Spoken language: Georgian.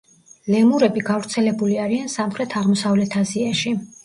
ლემურები გავრცელებული არიან სამხრეთ-აღმოსავლეთ აზიაში.